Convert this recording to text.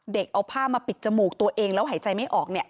เอาผ้ามาปิดจมูกตัวเองแล้วหายใจไม่ออก